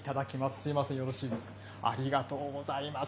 すみません、よろしいですか、ありがとうございます。